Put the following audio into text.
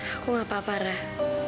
aku tidak apa apa rah